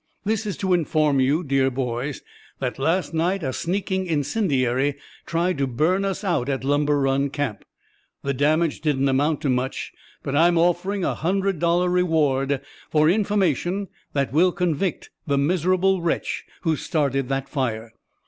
"'This is to inform you, dear boys, that last night a sneaking incendiary tried to burn us out at Lumber Run Camp. The damage didn't amount to much; but I'm offering a hundred dollars reward for information that will convict the miserable wretch who started that fire.